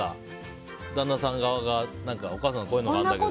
旦那さん側がお母さんのこういうのあるからって。